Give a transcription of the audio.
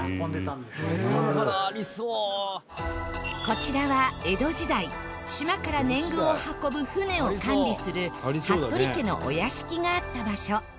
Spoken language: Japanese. こちらは江戸時代島から年貢を運ぶ船を管理する服部家のお屋敷があった場所。